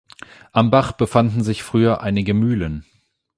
Am Bach befanden sich früher einige Mühlen.